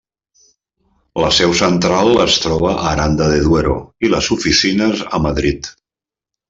La seu central es troba a Aranda de Duero i les oficines a Madrid.